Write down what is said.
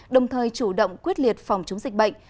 đồng thời chủ động quyết liệt phòng chống dịch bệnh